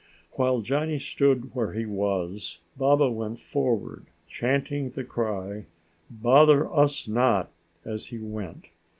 While Johnny stood where he was, Baba went forward, chanting the cry of "Bother us not" as he went.